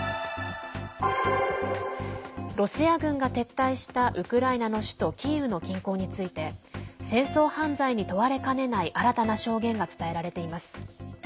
ロシア軍が撤退したウクライナの首都キーウの近郊について戦争犯罪に問われかねない新たな証言が伝えられています。